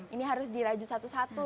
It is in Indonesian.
ini harus dirajut satu satu